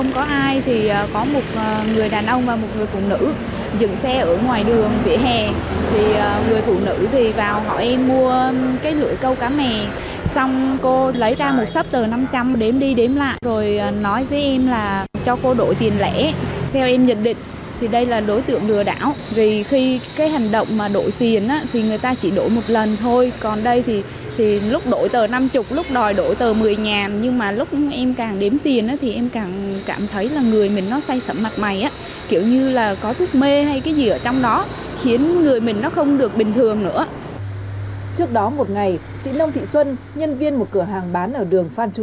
chị nông thị xuân nhân viên một cửa hàng bán ở đường phan chu trinh cũng gặp trường hợp tương tự và chị xuân đã bị lừa đảo